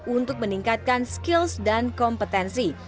untuk meningkatkan skills dan kompetensi